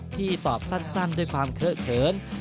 ที่ตอบสั้นด้วยความเคลือเขิน